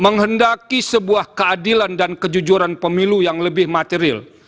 menghendaki sebuah keadilan dan kejujuran pemilu yang lebih material